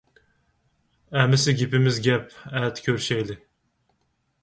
ئەمىسە گېپىمىز گەپ. ئەتە كۆرۈشەيلى.